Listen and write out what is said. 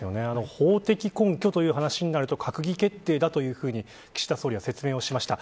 法的根拠という話になると閣議決定だと岸田総理は説明をしました。